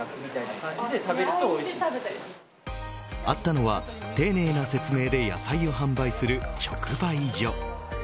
あったのは丁寧な説明で野菜を販売する直売所。